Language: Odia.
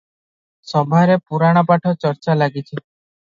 ସଭାରେ ପୁରାଣପାଠ ଚର୍ଚ୍ଚା ଲାଗିଛି ।